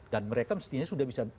dan mereka mestinya sudah bisa